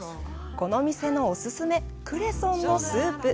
この店のお勧め、クレソンのスープ。